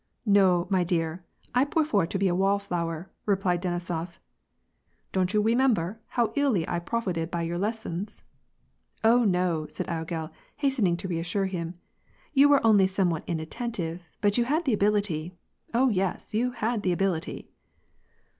" No, my dear, I pwefer to be a wall flower," t replied Denisof. " Don't you wemember how illy I pwofited by your lessons ?"" Oh, no," said logel, hastening to reassure him. You were only somewhat inattentive, but you had the ability ; oh yes, you had the ability."